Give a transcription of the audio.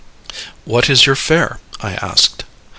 "What is your fare?" I asked.